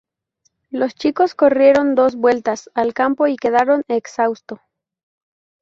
Los chicos corrieron dos vueltas al campo y quedaron exhausto.